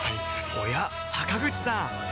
おや坂口さん